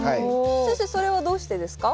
先生それはどうしてですか？